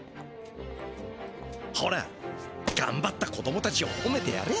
ほらがんばった子どもたちをほめてやれ。